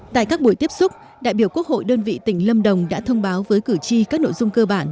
tại các buổi tiếp xúc đại biểu quốc hội đơn vị tỉnh lâm đồng đã thông báo với cử tri các nội dung cơ bản